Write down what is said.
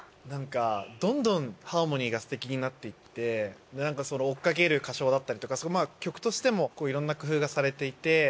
なんかどんどんハーモニーがすてきになっていって追っかける歌唱だったりとか曲としてもいろんな工夫がされていて。